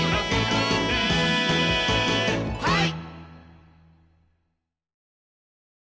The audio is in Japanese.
はい！